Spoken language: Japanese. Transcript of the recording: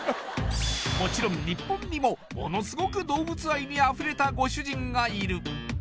もちろん日本にもものすごく動物愛にあふれたご主人がいる